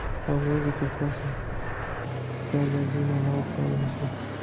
Hauwezi kukosa kutaja jina la Oprah Winfrey